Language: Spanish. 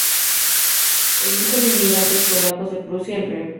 El hijo de inmigrantes polacos de Prusia, el Rev.